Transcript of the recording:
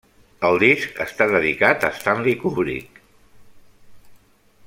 El disc està dedicat a Stanley Kubrick.